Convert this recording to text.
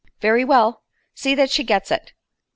"Very well; see that she gets it."